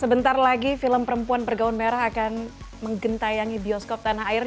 sebentar lagi film perempuan bergaun merah akan menggentayangi bioskop tanah air